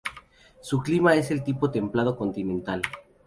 Su clima es del tipo templado continental.